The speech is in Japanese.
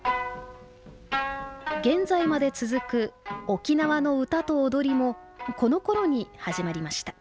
現在まで続く「沖縄の歌と踊り」もこのころに始まりました。